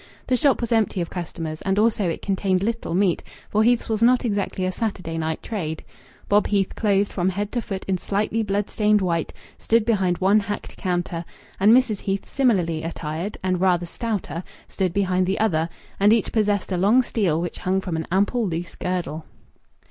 The shop was empty of customers, and also it contained little meat, for Heath's was not exactly a Saturday night trade. Bob Heath, clothed from head to foot in slightly blood stained white, stood behind one hacked counter, and Mrs. Heath, similarly attired, and rather stouter, stood behind the other; and each possessed a long steel which hung from an ample loose girdle.